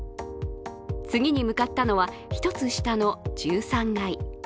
次に向かったのは、１つ下の１３階。